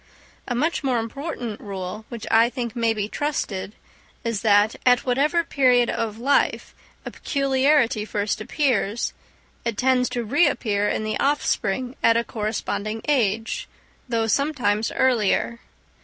A much more important rule, which I think may be trusted, is that, at whatever period of life a peculiarity first appears, it tends to reappear in the offspring at a corresponding age, though sometimes earlier.